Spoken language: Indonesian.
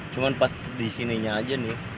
cuma pas di sininya aja nih